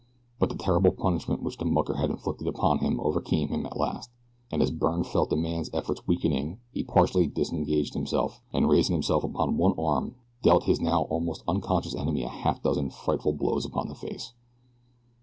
But the terrible punishment which the mucker had inflicted upon him overcame him at last, and as Byrne felt the man's efforts weakening he partially disengaged himself and raising himself upon one arm dealt his now almost unconscious enemy a half dozen frightful blows upon the face.